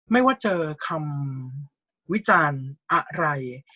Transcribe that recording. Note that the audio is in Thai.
ไม่ว่าเจอคำวิจารณ์อะไร